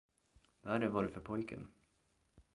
Värre var det för pojken.